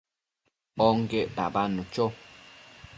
onquec tabadnu cho